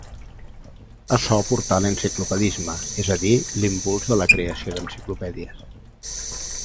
Açò portà a l'enciclopedisme, és a dir, l'impuls de la creació d'enciclopèdies.